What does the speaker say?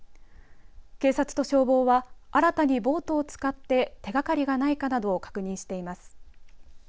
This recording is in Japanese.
警察と消防は新たにボートを使って手がかりがないかなどを確認しています。